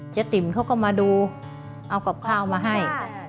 เจ้าติ่มเขาก็มาดูเอากรอบข้าวมาให้